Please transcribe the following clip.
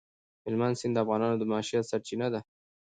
هلمند سیند د افغانانو د معیشت سرچینه ده.